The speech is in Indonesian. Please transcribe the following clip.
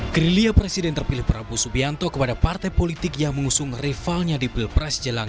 gerilya presiden terpilih prabowo subianto kepada partai politik yang mengusung rivalnya di pilpres jelang